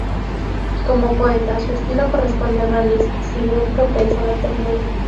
Como poeta, su estilo corresponde al realismo, si bien propenso a la ternura.